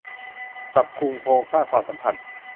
ปรับปรุงโครงสร้างความสัมพันธ์